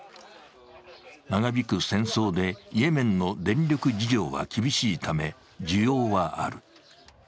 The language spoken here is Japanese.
長引く戦争でイエメンの電力事情は厳しいため、需要はある。